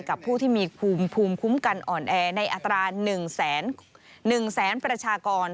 กับผู้ที่มีภูมิคุ้มกันอ่อนแอในอัตรา๑แสนประชากร